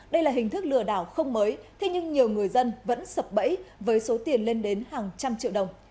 đây là hình thức lừa đảo không mới thế nhưng nhiều người dân vẫn sập bẫy với số tiền lên đến hàng trăm triệu đồng